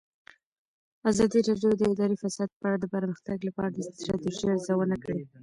ازادي راډیو د اداري فساد په اړه د پرمختګ لپاره د ستراتیژۍ ارزونه کړې.